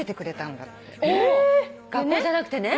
学校じゃなくてね。